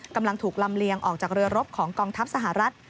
กำลังถูกลำเลียงออกจากเรือรบของกองทัพสหรัฐ